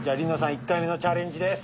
１回目のチャレンジです。